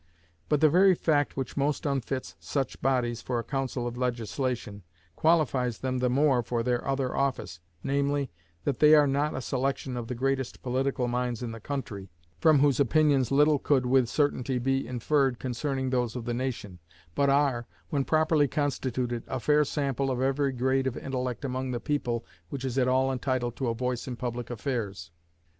But the very fact which most unfits such bodies for a council of legislation, qualifies them the more for their other office namely, that they are not a selection of the greatest political minds in the country, from whose opinions little could with certainty be inferred concerning those of the nation, but are, when properly constituted, a fair sample of every grade of intellect among the people which is at all entitled to a voice in public affairs.